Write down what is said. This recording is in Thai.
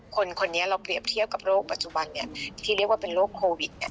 คนคนนี้เราเปรียบเทียบกับโรคปัจจุบันเนี่ยที่เรียกว่าเป็นโรคโควิดเนี่ย